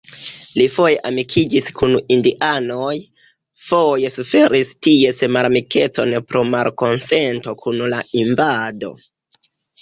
Li foje amikiĝis kun indianoj, foje suferis ties malamikecon pro malkonsento kun la invado.